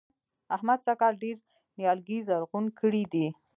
احمد سږ کال ډېر نيالګي زرغون کړي دي.